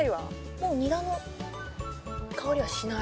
もうニラの香りはしない。